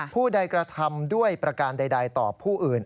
ผู้ใดกระทำด้วยประการใดต่อผู้อื่น